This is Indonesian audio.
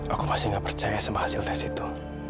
aku masih gak percaya sama hasil tes itu